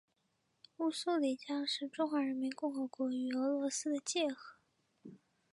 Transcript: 乌苏里江是中华人民共和国与俄罗斯的界河。